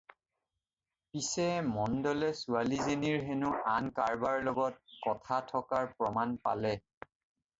পিচে মণ্ডলে ছোৱালীজনীৰ হেনো আন কাৰবাৰ লগত কথা থকাৰ প্ৰমাণ পালে।